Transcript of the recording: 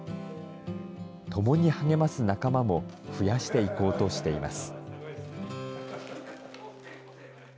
共に励ます仲間も増やしていこうとしています。